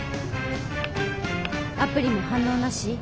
アプリも反応なし？